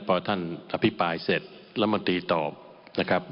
พอท่านอภิปรายเสร็จรัฐมนตรีตอบนะครับ